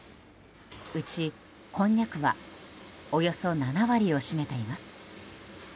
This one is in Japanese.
うち、こんにゃくはおよそ７割を占めています。